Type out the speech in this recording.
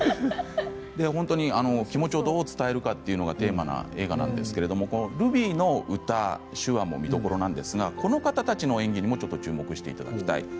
気持ちをどう伝えるのかというのがテーマの映画なんですけれどもルビーの歌、手話も見どころですがこの方たちの演技にも注目していただきたい。